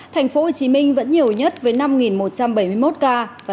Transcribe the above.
thành phố hồ chí minh vẫn nhiều nhất với năm một trăm bảy mươi một ca